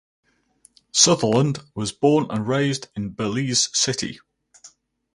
Sutherland was born and raised in Belize City.